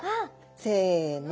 せの！